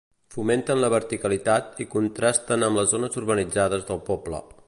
Fomenten la verticalitat i contrasten amb les zones urbanitzades del poble.